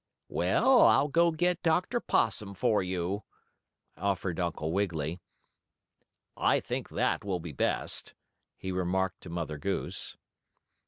"Well, I'll go get Dr. Possum for you," offered Uncle Wiggily. "I think that will be best," he remarked to Mother Goose.